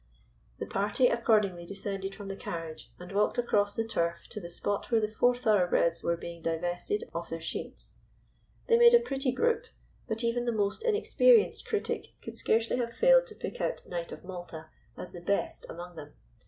The party accordingly descended from the carriage, and walked across the turf to the spot where the four thoroughbreds were being divested of their sheets. They made a pretty group; but even the most inexperienced critic could scarcely have failed to pick out Knight of Malta as the best among them.